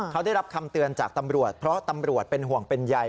เขาได้รับคำเตือนจากตำรวจเพราะตำรวจเป็นห่วงเป็นใย